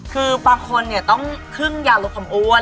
คือบางคนเนี่ยต้องครึ่งยาลดความอ้วน